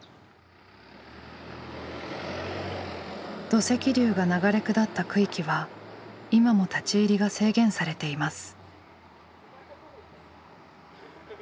土石流が流れ下った区域は今も立ち入りが制限されています。